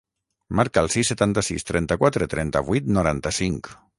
Marca el sis, setanta-sis, trenta-quatre, trenta-vuit, noranta-cinc.